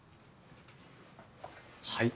はい？